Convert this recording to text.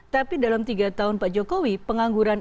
tapi dalam tiga tahun pak jokowi pengangguran